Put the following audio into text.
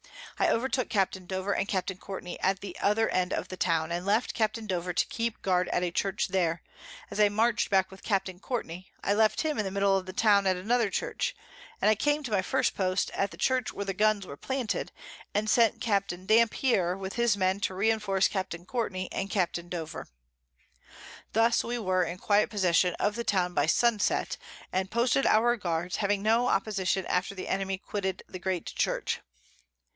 I overtook Capt. Dover and Capt. Courtney at the other End of the Town, and left Capt. Dover to keep guard at a Church there; as I march'd back with Capt. Courtney, I left him in the Middle of the Town at another Church, and I came to my first Post at the Church where the Guns were planted, and sent Capt. Dampier with his Men to reinforce Capt. Courtney and Capt. Dover. Thus we were in quiet possession of the Town by Sun set, and posted our Guards, having had no Opposition after the Enemy quitted the great Church.